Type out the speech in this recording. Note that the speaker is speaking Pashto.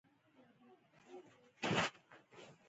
ولاړ د کام په نام او ننګ و.